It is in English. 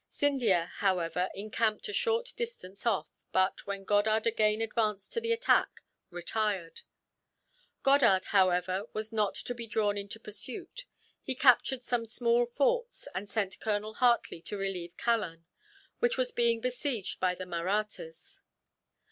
Scindia, however, encamped a short distance off but, when Goddard again advanced to the attack, retired. Goddard, however, was not to be drawn into pursuit. He captured some small forts, and sent Colonel Hartley to relieve Kallan, which was being besieged by the Mahrattas.